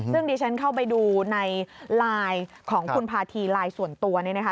ซึ่งดิฉันเข้าไปดูในไลน์ของคุณพาธีไลน์ส่วนตัวเนี่ยนะคะ